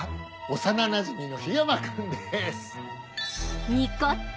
幼なじみの緋山君です